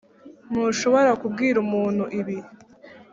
ntushobora kubwira umuntu, ibi?